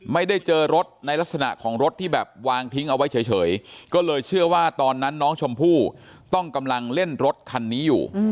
ไม่ได้เจอรถในลักษณะของรถที่แบบวางทิ้งเอาไว้เฉยก็เลยเชื่อว่าตอนนั้นน้องชมพู่ต้องกำลังเล่นรถคันนี้อยู่